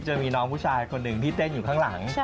จะมีน้องผู้ชายคนหนึ่งที่เต้นอยู่ข้างหลัง